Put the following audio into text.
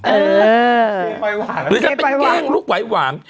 เออเกย์ไหวหวานหรือจะเป็นแก้งลูกไหวหวาน